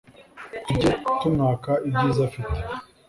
tuge tumwaka ibyiza afite